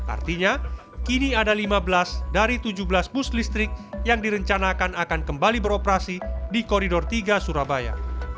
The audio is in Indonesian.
artinya kini ada lima belas dari tujuh belas bus listrik yang direncanakan akan kembali beroperasi di koridor tiga surabaya